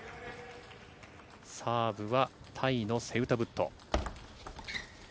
サーブはタイのセウタブット。